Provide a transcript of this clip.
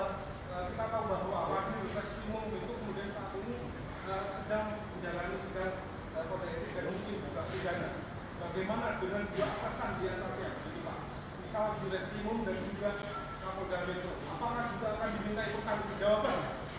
apakah juga akan diminta ikutan kejawaban